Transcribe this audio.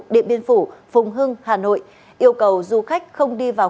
điện biên phủ phùng hưng hà nội yêu cầu du khách không đi vào